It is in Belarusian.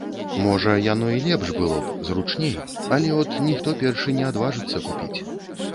Можа, яно і лепш было б, зручней, але от ніхто першы не адважыцца купіць.